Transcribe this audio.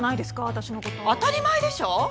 私のこと当たり前でしょ